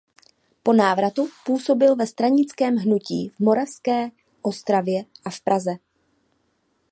Po návratu působila ve stranickém hnutí v Moravské Ostravě a v Praze.